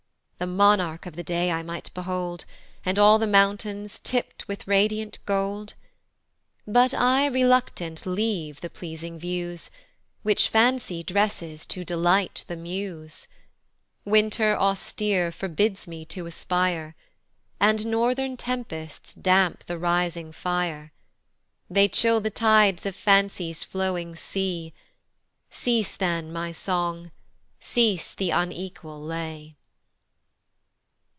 The monarch of the day I might behold, And all the mountains tipt with radiant gold, But I reluctant leave the pleasing views, Which Fancy dresses to delight the Muse; Winter austere forbids me to aspire, And northern tempests damp the rising fire; They chill the tides of Fancy's flowing sea, Cease then, my song, cease the unequal lay.